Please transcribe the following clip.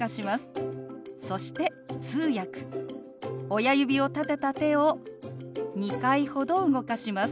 親指を立てた手を２回ほど動かします。